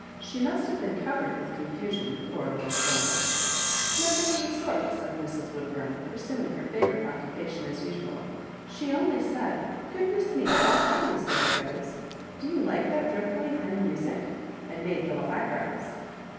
She must have been covered with oonfusioB, the poor little souL" Nothing of the sort," said Mrs. Woodbum. pursuing her favourite occupation as usual. " She only said, ' Goodness me I how high Lucilla goes ! Do you like that dreadfully high music?* and made little eyebrows."